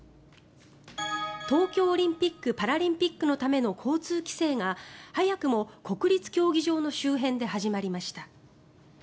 東京オリンピック・パラリンピックのための交通規制が早くも国立競技場の周辺で始まりました。